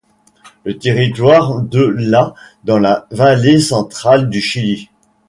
Le territoire de la dans la vallée centrale du Chili.